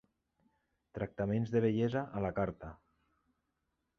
Tractaments de bellesa a la carta.